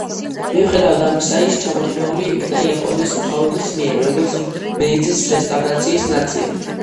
მიუხედავად ამისა, ის ჩამორთმეული იქნა იაპონიის მთავრობის მიერ, როგორც მეიძის რესტავრაციის ნაწილი.